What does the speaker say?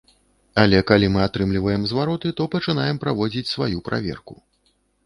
Але калі мы атрымліваем звароты, то пачынаем праводзіць сваю праверку.